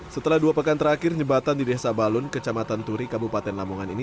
setelah dua pekan terakhir jembatan di desa balun kecamatan turi kabupaten lamongan ini